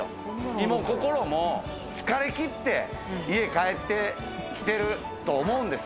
身も心も疲れきって家に帰ってきてると思うんです。